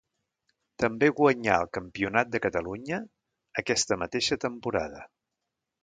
També guanyà el campionat de Catalunya aquesta mateixa temporada.